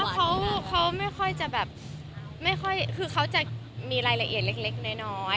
เขาไม่ค่อยจะแบบไม่ค่อยคือเขาจะมีรายละเอียดเล็กน้อย